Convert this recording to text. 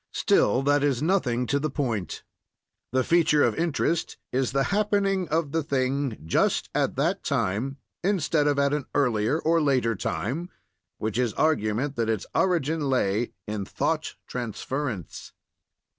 Still, that is nothing to the point; the feature of interest is the happening of the thing just at that time, instead of at an earlier or later time, which is argument that its origin lay in thought transference.